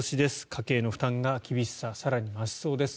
家計の負担が厳しさ更に増しそうです。